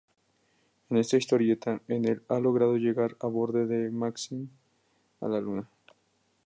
En esta historieta, Enel ha logrado llegar a borde de Maxim a la luna.